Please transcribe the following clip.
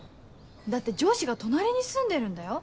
だって上司が隣に住んでるんだよ？